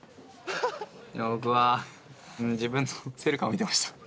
今僕は自分のセルカを見てました。